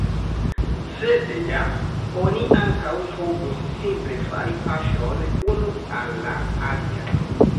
Sed ja oni ankaŭ povus simple fari paŝon unu al la alia.